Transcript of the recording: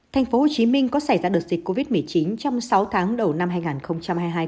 tp hcm có xảy ra đợt dịch covid một mươi chín trong sáu tháng đầu năm hai nghìn hai mươi hai không